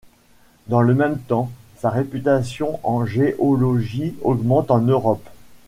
Dans le même temps sa réputation en géologie augmente en Europe.